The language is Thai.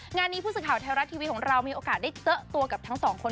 งานนี้ผู้สื่อข่าวไทยรัฐทีวีของเรามีโอกาสได้เจอตัวกับทั้งสองคน